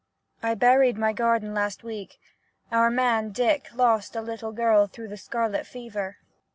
I buried my garden last week — our man, Dick, lost a little girl through the scarlet fever.